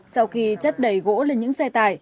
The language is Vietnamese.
sau khi chất đầy gỗ lên những xe tải